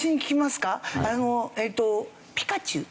あのえっとピカチュウ？